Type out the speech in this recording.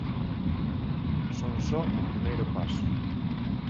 Son só o primeiro paso.